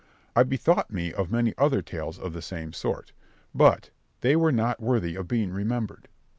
I bethought me of many other tales of the same sort, but they were not worthy of being remembered.